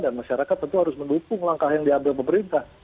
masyarakat tentu harus mendukung langkah yang diambil pemerintah